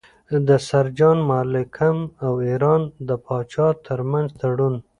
د سر جان مالکم او ایران د پاچا ترمنځ تړون.